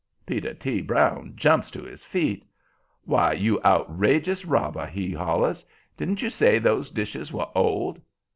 Peter T. Brown jumps to his feet. "Why, you outrageous robber!" he hollers. "Didn't you say those dishes were old?"